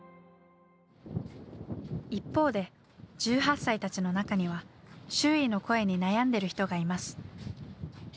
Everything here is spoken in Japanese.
一方で１８歳たちの中には周囲の声に悩んでる人がいます。